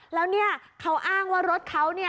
แล้วเขาอ้างว่ารถเขา